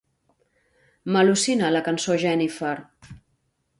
M'al·lucina la cançó "Jenifer".